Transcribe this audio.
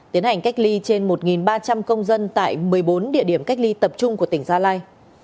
tiến hành cách ly trên một ba trăm linh công dân tại một mươi bốn địa điểm cách ly tập trung của tỉnh gia lai